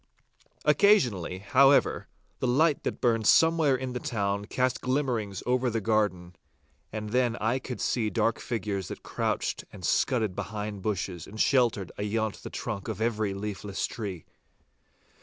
Occasionally, however, the light that burned somewhere in the town cast glimmerings over the garden, and then I could see dark figures that crouched and scudded behind bushes and sheltered ayont the trunk of every leafless tree.